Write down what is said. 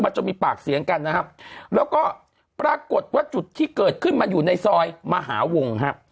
จนมีปากเสียงกันนะครับแล้วก็ปรากฏว่าจุดที่เกิดขึ้นมันอยู่ในซอยมหาวงครับ